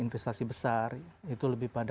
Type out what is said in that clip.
investasi besar itu lebih pada